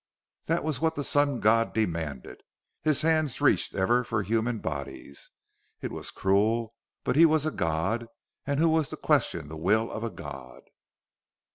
That was what the Sun God demanded. His hands reached ever for human bodies. It was cruel, but he was a god; and who was to question the will of a god?